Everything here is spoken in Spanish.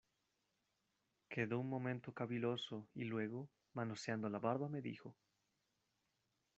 quedó un momento caviloso, y luego , manoseando la barba , me dijo: